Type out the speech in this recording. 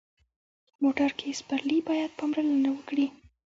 موټر کې سپرلي باید پاملرنه وکړي.